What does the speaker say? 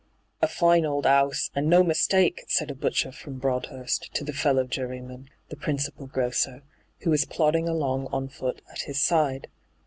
' A foine old 'ouse, and no mistake !' said a butcher from Broadhurst to the fellow jury man, the principal grocer, who was plodding along on foot at his side.